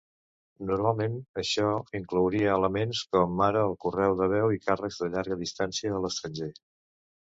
Normalment això inclouria elements com ara el correu de veu i càrrecs de llarga distància a l'estranger.